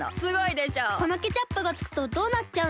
このケチャップがつくとどうなっちゃうんですか？